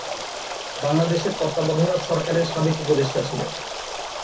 বাংলাদেশের তত্ত্বাবধায়ক সরকারের সাবেক উপদেষ্টা ছিলেন।